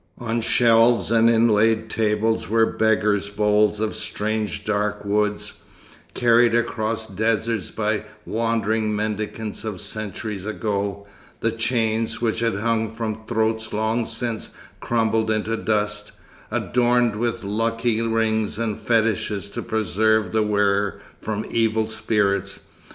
On shelves and inlaid tables were beggars' bowls of strange dark woods, carried across deserts by wandering mendicants of centuries ago, the chains, which had hung from throats long since crumbled into dust, adorned with lucky rings and fetishes to preserve the wearer from evil spirits.